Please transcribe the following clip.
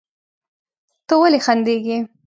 ته ولې خندېږې؟